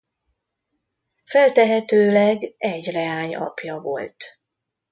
Feltehetőleg egy leány apja volt.